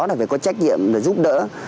phải có trách nhiệm giúp đỡ